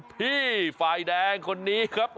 พี่ฝ่ายแดงคนนี้ครับ